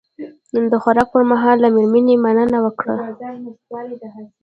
د خوراک پر مهال له میرمنې مننه وکړه.